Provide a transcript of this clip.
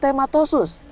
menyerangkan keadaan lupus